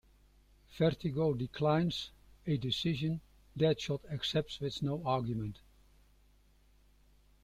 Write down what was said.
Vertigo declines, a decision Deadshot accepts with no argument.